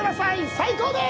最高です！